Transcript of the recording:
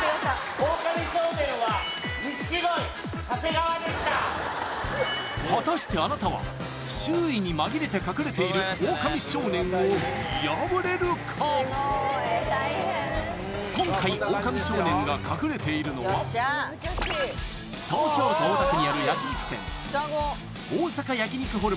オオカミ少年は果たしてあなたは周囲に紛れて今回オオカミ少年が隠れているのは東京都大田区にある焼き肉店